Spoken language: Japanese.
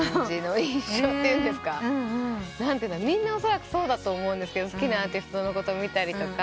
みんなおそらくそうだと思うんですけど好きなアーティストのこと見たりとか。